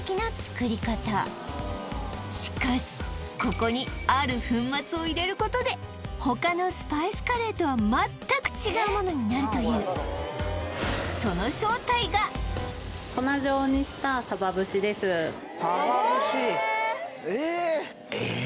しかしここにある粉末を入れることで他のスパイスカレーとは全く違うものになるというサバ節えっ？